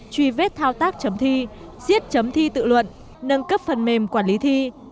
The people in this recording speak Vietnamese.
truy vết thao tác chấm thi giết chấm thi tự luận nâng cấp phần mềm quản lý thi